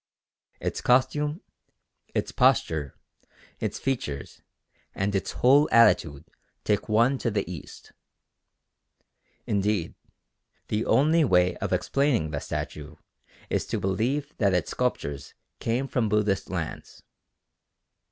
Its costume, its posture, its features, and its whole attitude take one to the East. Indeed the only way of explaining the statue is to believe that its sculptors came from Buddhist lands.